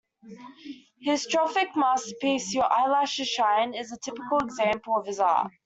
His strophic masterpiece "Your eyelashes shine" is a typical example of his art.